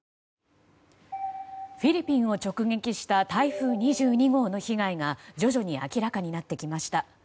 フィリピンを直撃した台風２２号の被害が徐々に明らかになってきました。